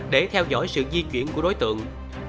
để theo dõi sự di chuyển của đối tượng